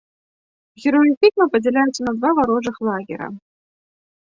Героі фільма падзяляюцца на два варожых лагера.